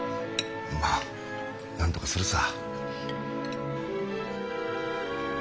まあなんとかするさ。